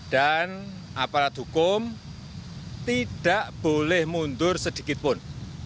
dan aparat hukum tidak boleh mundur sedikitpun